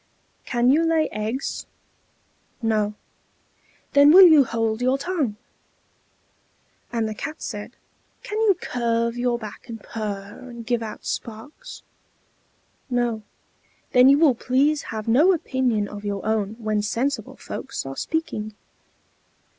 "Can you lay eggs?" "No." "Then will you hold your tongue!" And the Cat said, "Can you curve your back, and purr, and give out sparks?" "No." "Then you will please have no opinion of your own when sensible folks are speaking!"